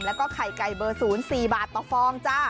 แล้วก็ไข่ไก่เบอร์๐๔บาทต่อฟองจ้า